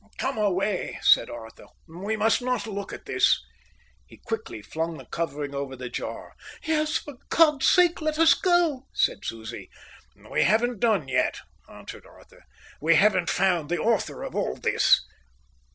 "Come away," said Arthur. "We must not look at this." He quickly flung the covering over the jar. "Yes, for God's sake let us go," said Susie. "We haven't done yet," answered Arthur. "We haven't found the author of all this."